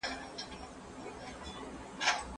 زه اجازه لرم چي نان وخورم!!